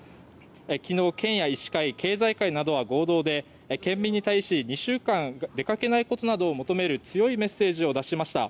昨日、県や医師会経済界などは合同で県民に対し２週間出かけないことなどを求める強いメッセージを出しました。